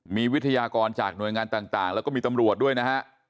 มีวิทยากรจากหน่วยงานต่างแล้วก็มีตำรวจด้วยนะฮะ